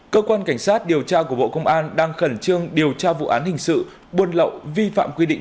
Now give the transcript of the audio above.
cơ quan cảnh sát điều tra của bộ công an đang khẩn trương điều tra vụ án hình sự buôn lậu vi phạm quy định